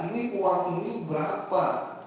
ini uang ini berapa